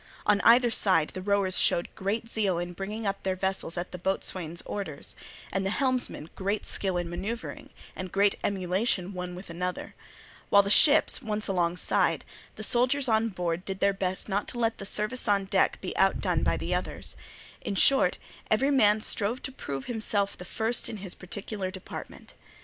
On either side the rowers showed great zeal in bringing up their vessels at the boatswains' orders, and the helmsmen great skill in manoeuvring, and great emulation one with another; while the ships once alongside, the soldiers on board did their best not to let the service on deck be outdone by the others; in short, every man strove to prove himself the first in his particular department.